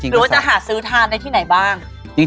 หรือว่าจะหาซื้อทานได้ที่ไหนบ้าง